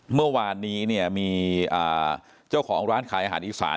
เมื่อวานนี้เนี่ยมีเจ้าของร้านขายอาหารอีสาน